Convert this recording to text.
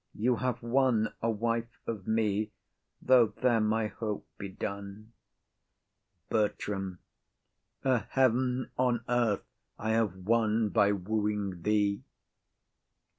You have won A wife of me, though there my hope be done. BERTRAM. A heaven on earth I have won by wooing thee.